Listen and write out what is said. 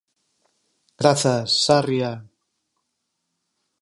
Grazas, Sarria!